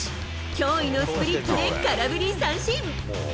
驚異のスプリットで空振り三振。